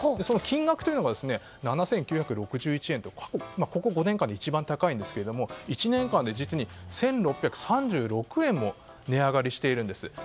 その金額というのが７９６１円とここ５年間で一番高いんですが１年間で実に１６３６円も値上がりしているんです。